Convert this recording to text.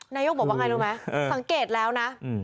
นายกบอกว่าไงรู้ไหมสังเกตแล้วนะ